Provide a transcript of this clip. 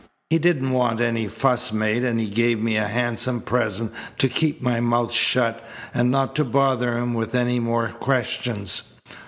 He didn't want any fuss made, and he gave me a handsome present to keep my mouth shut and not to bother him with any more questions.